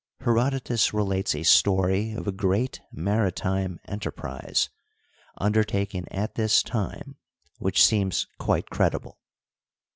Herodotus relates a story of a great maritime enter prise undertaken at this time which seems quite credible.